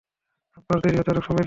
আব্বার তৈরি হতে অনেক সময় লাগে।